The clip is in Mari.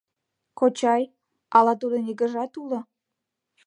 — Кочай, ала тудын игыжат уло?